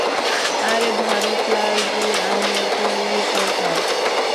আরে ভারত লালজি, আমি একজন রিপোর্টার।